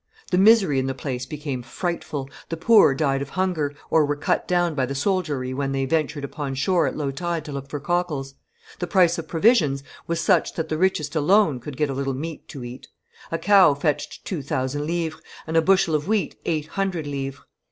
The misery in the place became frightful; the poor died of hunger, or were cut down by the soldiery when they ventured upon shore at low tide to look for cockles; the price of provisions was such that the richest alone could get a little meat to eat; a cow fetched two thousand livres, and a bushel of wheat eight hundred livres.